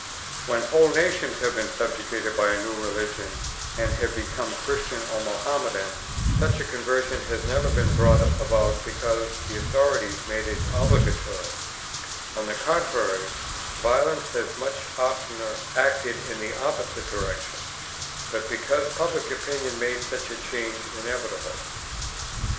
When whole nations have been subjugated by a new religion, and have become Christian or Mohammedan, such a conversion has never been brought about because the authorities made it obligatory (on the contrary, violence has much oftener acted in the opposite direction), but because public opinion made such a change inevitable.